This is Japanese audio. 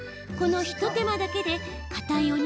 このひと手間だけでかたい